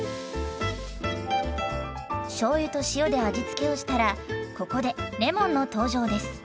しょうゆと塩で味付けをしたらここでレモンの登場です。